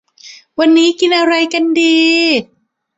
วันนี้กินอะไรกันดี